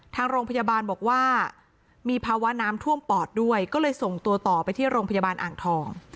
ทางโรงพยาบาลบอกว่ามีภาวะน้ำท่วมปอดด้วยก็เลยส่งตัวต่อไปที่โรงพยาบาลอ่างทอง